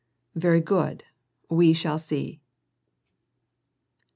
"Very good, we shall see."